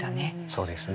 そうですね。